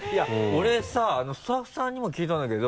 俺さスタッフさんにも聞いたんだけど